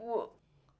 dia orang baik baik bu